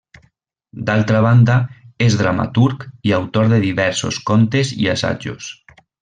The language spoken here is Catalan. D'altra banda, és dramaturg i autor de diversos contes i assajos.